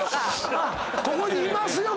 ここにいますよ